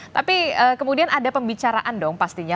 tapi kemudian ada pembicaraan dong pastinya